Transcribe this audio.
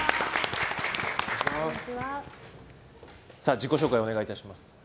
自己紹介をお願いいたします。